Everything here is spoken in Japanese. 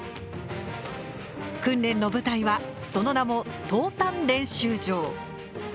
訓練の舞台はその名も投炭練習場。